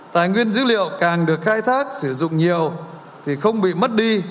tài nguyên dữ liệu càng được khai thác sử dụng nhiều thì không bị mất đi